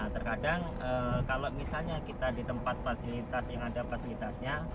terkadang kalau misalnya kita di tempat fasilitas yang ada fasilitasnya